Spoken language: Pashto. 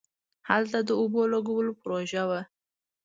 هلته د اوبو لگولو پروژه وه.